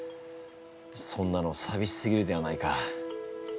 そんなのさびしすぎるではないか。